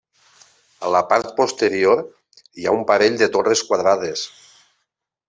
A la part posterior hi ha un parell de torres quadrades.